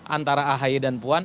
antara ahy dan puan